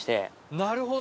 なるほど！